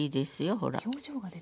ほら。